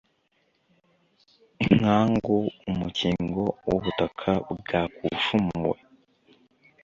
inkangu umukingo w'ubutaka bwakushumuwe